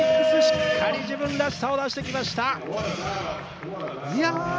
しっかり自分らしさを出してきました！